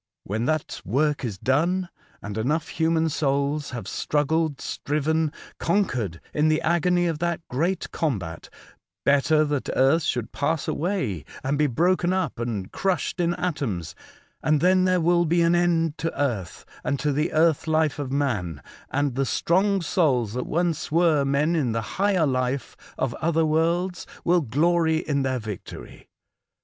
When that work is done and enough human souls have struggled, striven, conquered in the agony of that great combat, better that earth should pass away and be broken up and Earth as Others see it, 89 crushed in atoms, and then there will be an end to earth and to the earth life of man, and the strong souls that once were men in the higher life of other worlds will glory in their victory.